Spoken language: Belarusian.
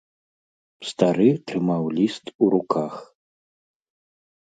Стары трымаў ліст у руках.